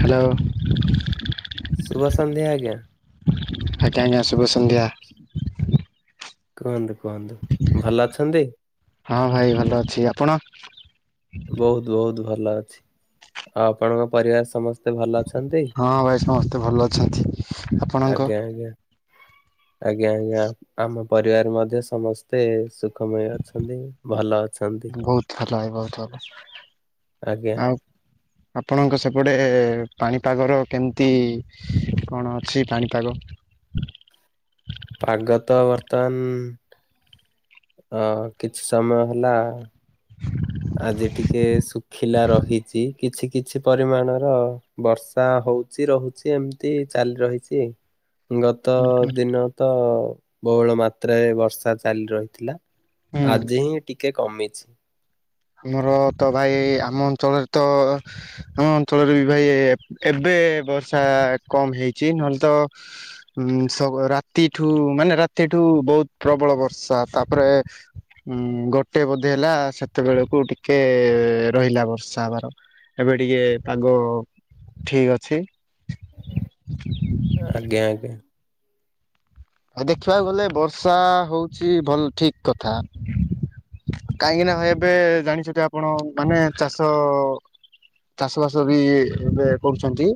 Hello. ଶୁଭ ସନ୍ଧ୍ୟା ଆଜ୍ଞା। ଆଜ୍ଞା। ଆଜ୍ଞା। ଶୁଭ ସନ୍ଧ୍ୟା। କୁହନ୍ତୁ କୁହନ୍ତୁ। ଭଲ ଅଛନ୍ତି? ହଁ ଭାଇ ଭଲ ଅଛି। ଆପଣ? ବୋହୁତ୍ ବୋହୁତ୍ ଭଲ ଅଛି। ଆଉ ଆପଣଙ୍କ ପରିବାର ସମସ୍ତେ ସମସ୍ତେ ଭଲ ଅଛନ୍ତି? ହଁ ଭାଇ ସମସ୍ତେ ଭଲ ଅଛନ୍ତି ଆପଣଙ୍କ? ଆଜ୍ଞା। ଆଜ୍ଞା। ଆଜ୍ଞା ଆଜ୍ଞା। ଆମ ପରିବାର ମଧ୍ୟ ସମସ୍ତେ ସୁଖମୟ ଅଛନ୍ତି। ଭଲ ଅଛନ୍ତି। ବୋହୁତ୍ ଭଲ ଭାଇ। ବୋହୁତ୍ ଭଲ। ଆଜ୍ଞା ଆଉ ଆପଣଙ୍କ ସେପଟେ ପାଣିପାଗର କେମିତି କଣ ଅଛି ପାଣିପାଗ? ପାଗ ତ ବର୍ତ୍ତମାନ ହଁ। କିଛି ସମୟ ହେଲା। ଆଜି ଟିକେ ଶୁ ଖିଲା ରହିଛି। କିଛି କିଛି ପରିମାଣର ବର୍ଷା ହୋଉଚି। ରହୁଚି ଏମ୍ ତି ଚାଲି ରହିଛି। [inaudible] ଗତ ହୁଁ ହୁଁ। ଦିନ ତ ବହୁଳ ମାତ୍ରାରେ ବର୍ଷା ଚାଲି ରହିଥିଲା। ହୁଁ ଆଜି ହିଁ ଟିକେ କମିଛି। ଆମର ତ ଭାଇ ଆମ ଅଞ୍ଚଳରେ ତ ଆମ ଅଞ୍ଚଳରେ ବି ଭାଇ ଏ ଏ ଏବେ ବର୍ଷା କମ୍ ହେଇଛି ନହେଲେ ତ ଉଁ ସ ରାତିଠୁ ମାନେ ରାତିଠୁ ବହୁତ ପ୍ରବଳ ବର୍ଷା ତାପରେ ହୁଁ ଗୋଟେ ବୋଧେ ହେଲା ସେ ତେବେଳକୁ ଟିକେ ଏ ଏ ଏ ରହିଲା ବର୍ଷା ହବାର ଏବେ ଟିକେ ପାଗ ଠିକ୍ ଅଛି। ଆଜ୍ଞା ଆଜ୍ଞା। ଆଉ ଦେଖିବାକୁ ଗଲେ ବର୍ଷା ଆ ଆ ହଉଛି ଭଲ ଠିକ୍ କଥା। କାହିଁକି ନା ହଁ ଏବେ ଜାଣିଚ ଟି ଆପଣ ମାନେ ଚାଷ ଅ ଅ ଚାଷ ବାସ ବି ଏ ଏବେ କରୁଛନ୍ତି।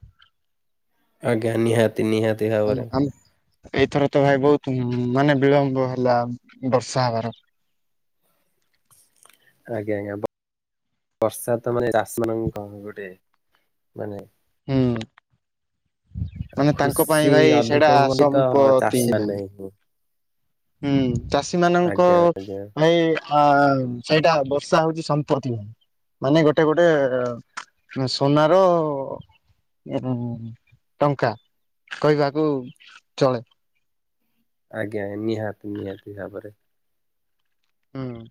ଆଜ୍ଞା ନିହାତି ନିହାତ। ଆମ ଆମ ଏଇଥର ତ ଭାଇ ବହୁତ ମାନେ ବିଳମ୍ବ ହେଲା ବର୍ଷା ହବାର। ଆଜ୍ଞା ଆଜ୍ଞା ବ ବର୍ଷା ତ ମାନେ ଚାଷୀ ମାନଙ୍କ ଗୋଟେ ମାନେ ହୁଁ। ଆ ମାନେ ତାଙ୍କ ପାଇଁ ଖୁସି ଭାଇ ସେଇଟା ଅଧିକ ହୁଅନ୍ତି ତ ସମ୍ପତ୍ତି ଚାଷୀ ଭାଇ। ମାନେ ହିଁ। ହୁଁ ଚାଷୀ ମାନଙ୍କ ଆଜ୍ଞା ଆଜ୍ଞା ଭାଇ ଆ ଆ ଉ ମ୍ ସେଇଟା ବର୍ଷା ହଉଚି ସମ୍ପତି ହୁଁ। ମାନେ ଗୋଟେ ଗୋଟେ ଉଁ ସୁନାର ଏବଂ ଟଙ୍କା କହିବାକୁ ଚଳେ। ଆଜ୍ଞା ନିହାତି ନିହାତି ଭାବରେ। ହୁଁ।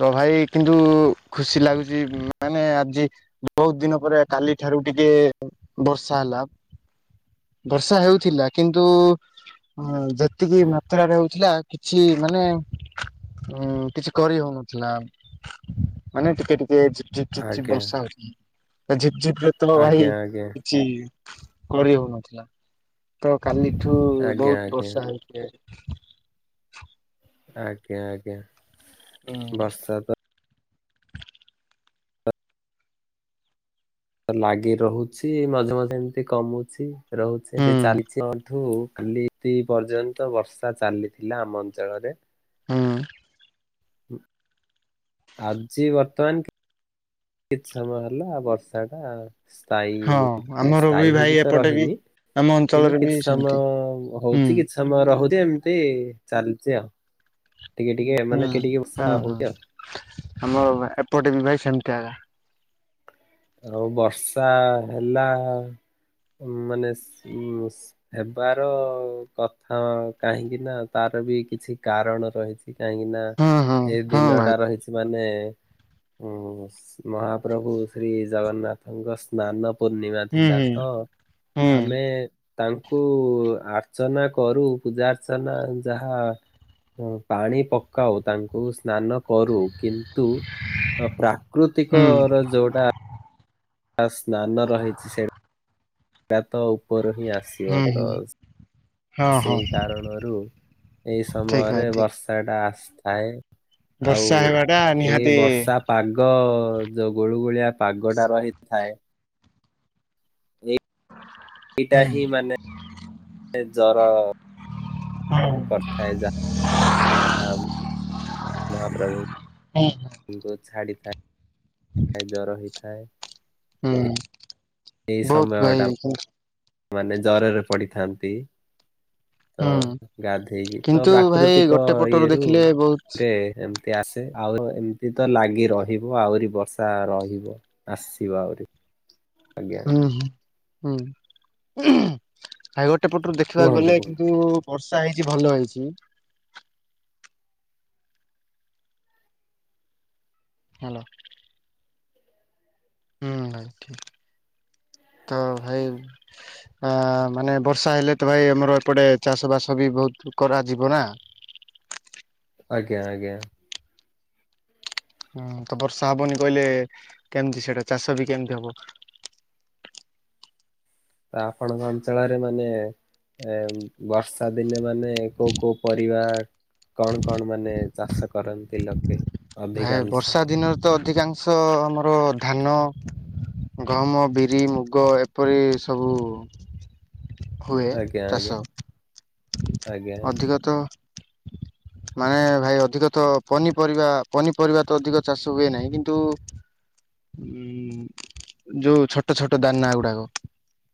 ତ ଭାଇ କିନ୍ତୁ ଉ ଉ ଖୁସି ଲାଗୁଚି ମାନେ ଆଜି ବହୁତ ଦିନ ପରେ କାଲି ଠାରୁ ଟିକେ ଏ ଏ ବର୍ଷା ହେଲା। ବର୍ଷା ହେଉଥିଲା କିନ୍ତୁ ଉ ଉ ହଁ ଯେତିକି ମାତ୍ରାରେ ହଉଥିଲା କିଛି ମାନେ ଉଁ ଉଁ କିଛି କରି ହଉନଥିଲା ମାନେ ଟିକେ ଟିକେ ହେଇଚି। ଝିପଝିପ୍ ଝିପ୍ ଆଜ୍ଞା ବର୍ଷା ହଉଚି ଏ ଝିପ୍ ଝିପ୍ ଲେତ ଲ ଭାଇ ଆଜ୍ଞା ଆଜ୍ଞା କିଛି କରି ହଉନଥିଲା ତ କାଲିଠୁ ଆଜ୍ଞା ବହୁତ ଆଜ୍ଞା ବର୍ଷା ହେଇ ରେ ହେ ଆଜ୍ଞା ଆଜ୍ଞା ହୁଁ ବର୍ଷା ତ ଲାଗି ରହୁଛି ମଝିରେ ମଝିରେ ଏମତି କମୁଛି। ରହୁଛି ଏମତି ହୁଁ ଚାଲିଛି ବନ୍ଧୁ କାଲି ରାତି ପର୍ଯ୍ୟନ୍ତ ବର୍ଷା ଚାଲିଥିଲା ଆମ ଅଞ୍ଚଳରେ। ହଁ। ଆଜି ବର୍ତ୍ତମାନ କିିଛ ସମୟ ହେଲା ବର୍ଷା ଟା ସ୍ଥାୟୀ ହଁ ହେଇକି ଆମର ବି ସ୍ଥାୟୀ ଭାଇ ହେଇକି ତ ଏପଟେ ବି ରହିନି ଆମ କିନ୍ତୁ ଅଞ୍ଚଳରେ କିଛି ବି ସେମିତି ସମୟ ହୁଁ। ହଉଚି କିଛ ସମୟ ରହୁଚି ଏମତି ଚାଲଚି ଆଉ ଟିକେ ଟିକେ ହୁଁ ମାନେ ଏଠି ଟିକେ ବର୍ଷା ହୁଁ ହୁଁ ହଉଚି ଆଉ। ଆମ ଏପଟେ ବି ଭାଇ ସେମତିଆ ହେଲା। ଆଉ ବର୍ଷା ହେଲା ମାନେ ସି ହେବାର କଥା ମ କାହିଁକି ନା ତାର ବି କିଛି କାରଣ ରହିଛି। କାହିଁକି ନା ହଁ ହଁ ଏ ହଁ ଦିନ ଭାଇ। ଟା ରହିଛି ମାନେ ହୁଁ ସି ମହାପ୍ରଭୁ ଶ୍ରୀ ଜଗନ୍ନାଥଙ୍କ ସ୍ନାନ ପୂର୍ଣ୍ଣିମା ହୁଁ ଥିଲା ହୁଁ ତ ହୁଁ ଆମେ ତାଙ୍କୁ ଆର୍ଚ୍ଚନା କରୁ ପୂଜା ଆର୍ଚ୍ଚନା ଯାହା ପାଣି ପକାଉ ତାଙ୍କୁ ସ୍ନାନ କରୁ କିନ୍ତୁ ତ ପ୍ରା ପ୍ରାକୃତିକ ହୁଁ ର ଯୋଉଟା ସ୍ନାନ ରହିଛି ସେଇଟା ତାର ତ ଉପର ହିଁ ହୁଁ ଆସିବ ତ। ହୁଁ ହଁ ହଁ ସେଇ ହଁ କାରଣରୁ ଏଇ ଠିକ ସମୟରେ ଭାଇ ଠିକ। ବର୍ଷା ଟା ଆସିଥାଏ। ଆଉ ବର୍ଷା ହେବାଟା ଏ ନିହାତି ବର୍ଷା ପାଗ ଯୋଉ ଗୁଳୁଗୁଳିଆ ପାଗଟା ରହିଥାଏ। ଏଇ ଏଇଟା ହୁଁ ହିଁ ମାନେ ଜର କରିଥାଏ ଯା। ହାମ୍ ମହାପ୍ରଭୁ। [unintelligible] ବୋହୁତ ଛାଡ଼ିଥା। ଖାଇ ଜର ହେଇଥାଏ। ହୁଁ ଏଇ ବହୁତ ଓଦା ସମୟ ଟା ହେଇଯାଇଛନ୍ତି। ମାନେ ଜରରେ ପଡିଥାନ୍ତି। ହଁ ଗାଧେଇକି ତ କିନ୍ତୁ ଭାଇ ପ୍ରାକୃତିକ ଗୋଟେ ପଟରୁ ଇଏରୁୁ ଦେଖିଲେ ବହୁତ ଏ ଏମ ଏ ଆସେ ଆଉ ଏମିତି ତ ଲାଗି ରହିବ ଆହୁରି ବର୍ଷା ରହିବ। ଆସିବ ଆହୁରି ଆଜ୍ଞା। ହ ହୁଁ ହାଇ ଗୋଟେ ପଟରୁ ଦେଖିବାକୁ କୁହନ୍ତୁ ଗଲେ କୁହନ୍ତୁ କିନ୍ତୁ ବର୍ଷା ହେଇଛି ଭଲ ହେଇଛି। ହାଲୋ। ହୁଁ ନାଇଁ ଠିକ ତ ଭାଇ ହା ଆ ମାନେ ବର୍ଷା ହେଲେ ତ ଭାଇ ଆମର ଏପଟେ ଚାଷ ବାସ ବି ବହୁତ କରାଯିବ ନା। ଆଜ୍ଞା ଆଜ୍ଞା। ହୁଁ ତ ବର୍ଷା ହବନି କହିଲେ କେମିତି ସେଇଟା ଚାଷ ବି କେମତି ହବ। ଆପଣଙ୍କ ଅଞ୍ଚଳରେ ମାନେ ଏ ବର୍ଷା ଦିନେ ମାନେ କୋଉ କୋଉ ପରିବା କଣ କଣ ମାନେ ଚାଷ କରନ୍ତି ଲକ? ଭାଇ ବର୍ଷା ଦିନରେ ତ ଅଧିକାଂଶ ଆମର ଧାନ ଗହମ ବିରି ମୁଗ ଏପରି ସବୁ ହୁଏ ଆଜ୍ଞା ଆଜ୍ଞା। ଚାଷ। ଆଜ୍ଞା ଅଧିକ ତ ମାନେ ଭାଇ ଅଧିକ ତ ପନିପରିବା ପନିପରିବା ତ ଅଧିକ ଚାଷ ହୁଏ ନାହିଁ କିନ୍ତୁ ଉଁ ଯୋଉ ଛୋଟ ଛୋଟ ଦାନା ଗୁଡାକ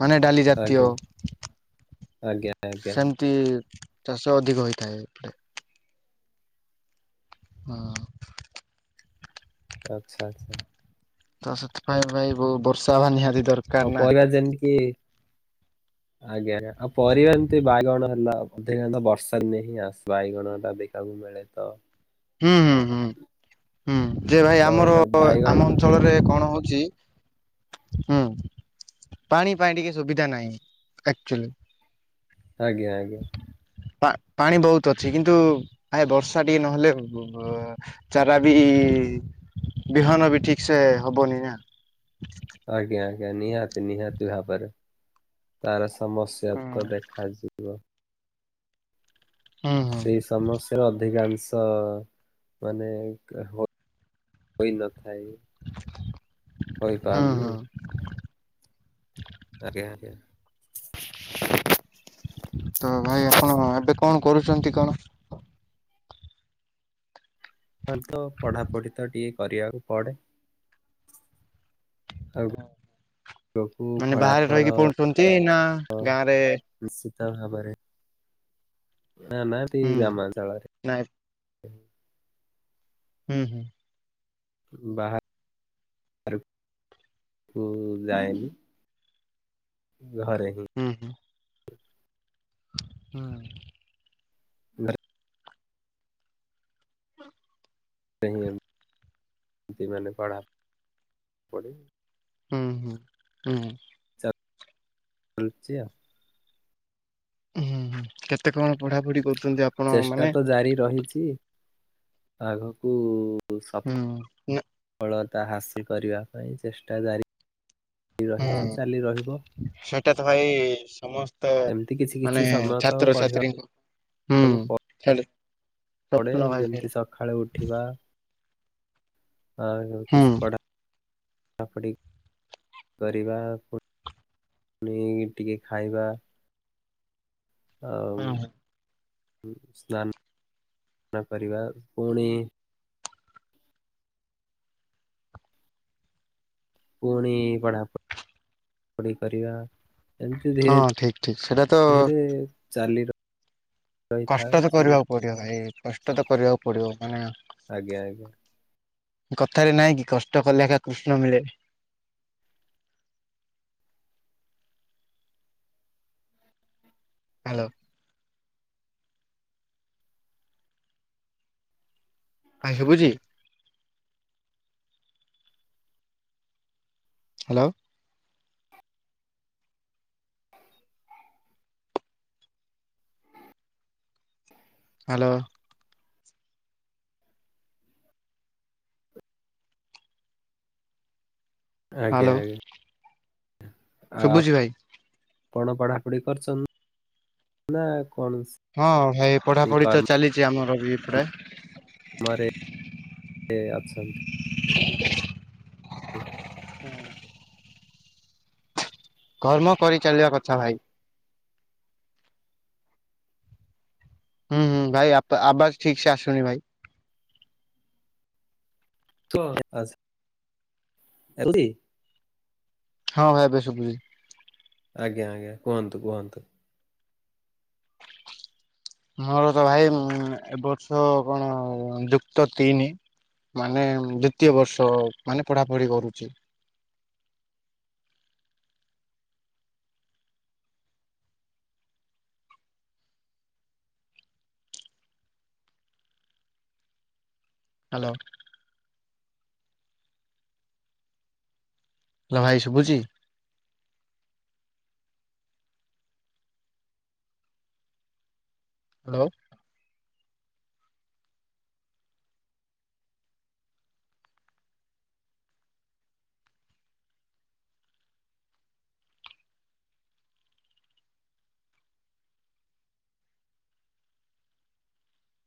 ମାନେ ଡାଲି ଆଜ୍ଞା ଜାତୀୟ ଆଜ୍ଞା ଆଜ୍ଞା ସେମ ତି ଚାଷ ଅଧିକ ହୋଇଥାଏ। ହଁ। ଆଚ୍ଛା। ତ ସେଥିପାଇଁ ଭାଇ ବହୁ ବର୍ଷା ହବା ନିହାତି ଦର ଆଉ ପରିବା ଯେନକୀ [inaudible] ଆଜ୍ଞା ଆ ଆଉ ପରିବା ଏମିତି ବାଇଗଣ ହେଲା ଅଧିକାନ୍ତ ବର୍ଷା ଦିନେ ହିଁ ବାଇଗଣ ଟା ଅଧିକା ହୁଏ। ମିଳେ ତ। ହୁଁ ହୁଁ ହୁଁ ଯେ ଭାଇ ତ ଆମର ମାନେ ବାଇଗଣ ଆମ ଅଞ୍ଚଳରେ କଣ ହଉଛି ହୁଁ, ପାଣି ପାଇଁ ଟିକେ ସୁବିଧା ନାହିଁ ଆକ୍ଚୁଲି, ଆଜ୍ଞା-ଆଜ୍ଞା, ପା ପାଣି ବହୁତ୍ ଅଛି କିନ୍ତୁ ଆଏ ବର୍ଷା ଟିକେ ନହେଲେ, ଓହୋ ଚାରା ବି ବିହନ ବି ଠିକ୍ ସେ ହବନି ନା, ଆଜ୍ଞା-ଆଜ୍ଞା ନିହାତି-ନିହାତି ଭାବରେ ତାର ସମସ୍ୟା ହୁଁ ତ ଦେଖାଯି ବ, ହୁଁ, ସମସାର ଅଧିକାଂଶ ମାନେ [unintelligible] ହୋଇ ନଥାଏ ହୋଇ ହୁଁ ପାରୁନି, ହୁଁ ଆଜ୍ଞା-ଆଜ୍ଞା, ତ ଭାଇ ଆପଣ ଏବେ କଣ କରୁଛନ୍ତି କଣ? ହ ତ ପଢ଼ାପଢ଼ି ତ ଟିକେ କରିବାକୁ ପଡ଼େ, ଏଁ ଆଗକୁ ମାନେ ବାହାରେ ଫଳାଫଳ ରହିକି ପଡ଼ୁଛନ୍ତି ନା ଗାଁରେ? ନିଶ୍ଚିତ ଭାବରେ ନା-ନା ତି ଗ୍ରାମା ଅନଚଳରେ, ନାଇଫ୍, ହୁଁ-ହୁଁ, ବାହା‌ [unintelligible] କୁ ଯାଇନି, ଘରେ ହିଁ, ହୁଁ-ହୁଁ, ହଁ, ଘରେ, ସେ [unintelligible] ଏମିତି ମାନେ ବଢ଼ା ପଡ଼ି, ହୁଁ-ହୁଁ-ହୁଁ, କଲଛିଆ, ହୁଁ-ହୁଁ-ହୁଁ କେତେ କଣ ପଢ଼ା ପଢ଼ି କରୁଛନ୍ତି ଆପ୍ ଚେଷ୍ଟା ତ ଜାରି ରହିଛି ଆଗକୁ ହୁଁ ସଫ୍ ଫଳତା ହାସଲି କରିବା ପାଇଁ ଚେଷ୍ଟା ଜାରି ରହିଛି ହୁଁ ଚାଲି ରହିବ, ସେଇଟା ତ ଭାଇ ସମସ୍ତ୍ ତା ଏମିତି କିଛି କିଛି ମାନେ ସମୟ ତ ଛାତ୍ର ପଢିବା ଛାତ୍ରୀଙ୍କୁ ହୁଁ ହେଲୋ, ପଡ଼େ ଯେମିତି ସକାଳୁ ଉଠିବା, ଆଉ ଯୋଉ ହୁଁ କିଛି ପଢ଼ା ପଢାପଢ଼ି କରିବାକୁ, ପୁଣି ଟିକେ ଖାଇବା, ଆଉ ହୁଁ ହୁଁ ସ୍ନାନାନ୍ ନାନ୍ କରିବା ପୁଣି, ପୁଣି ପଢ଼ା ପ ପଢ଼ି କରିବା, ଏମିତି ହଁ ଠିକ ଠିକ ସେଇଟା ତ ଧୀରେ-ଧୀରେ ଚାଲି ର କଷ୍ଟ ଯୋ କରିବାକୁ ପଡ଼ିବ ଭାଇ କଷ୍ଟ ତ କରିବାକୁ ପଡ଼ିବ ମାନେ, ଆଜ୍ଞା-ଆଜ୍ଞା, କଥାରେ ନହିଁ କି କଷ୍ଟ କଲେ ଏକା କୃଷ୍ଣ ମିଳେ, ହ୍ୟାଲୋ, ଭାଇ ସୁବୁଛି? ହ୍ୟାଲୋ, ହ୍ୟାଲୋ, ହ୍ୟାଲୋ ଆଜ୍ଞା-ଆଜ୍ଞା ଶୁଭୁଛି ଆପ୍ ଭାଇ କଣ ପଢ଼ାପଢ଼ି କରୁନ୍ ନା କଣ ସେ? ହଁ ଭାଇ ପଢାପଢି ତ ଚାଲିଛି ଆମର ବି ପୁରା। ଘରେ ଅଛନ୍ତି। [inaudible] ହୁଁ। କର୍ମ କରି ଚାଲିବା କଥା ଭାଇ। ହୁଁ ହୁଁ ଭାଇ ଆବ୍ ଆବାଜ୍ ଠିକସେ ଆସୁନି ଭାଇ। [unintelligible] ହଁ ଭାଇ ଏବେ ଶୁଭୁଛି। ଆଜ୍ଞା ଆଜ୍ଞା କୁହନ୍ତୁ କୁହନ୍ତୁ। ମୋର ତ ଭାଇ ଏ ବର୍ଷ କଣ ଯୁକ୍ତ ତିନି। ମାନେ ଦ୍ଵିତୀୟ ବର୍ଷ ମାନେ ପଢା ପଢି କରୁଛି। ହ୍ୟାଲୋ। ହ୍ୟାଲୋ ଭାଇ ଶୁଭୁଛି। ହ୍ୟାଲୋ।